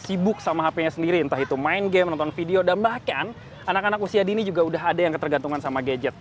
sibuk sama hp nya sendiri entah itu main game nonton video dan bahkan anak anak usia dini juga udah ada yang ketergantungan sama gadget